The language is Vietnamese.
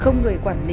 không người quản lý